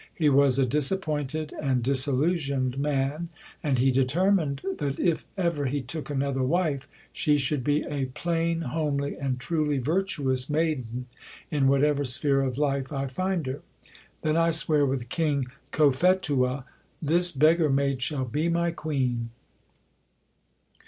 He was a disappointed and disillusioned man, and he determined that if ever he took another wife she should be "a plain, homely, and truly virtuous maiden, in whatever sphere of life I find her. Then I swear with King Cophetua, 'This beggar maid shall be my Queen.'"